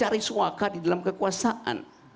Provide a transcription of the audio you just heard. mereka justru cari suaka di dalam kekuasaan